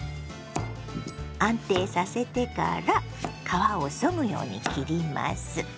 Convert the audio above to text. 安定させてから皮をそぐように切ります。